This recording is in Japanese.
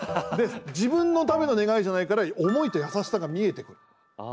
自分のための願いじゃないから思いと優しさが見えてくる。